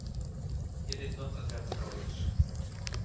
He did not attend college.